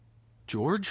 ジョージ？